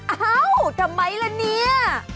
เอ้าทำไมล่ะเนี่ย